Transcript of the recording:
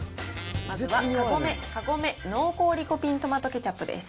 まずはカゴメ、カゴメ濃厚リコピントマトケチャップです。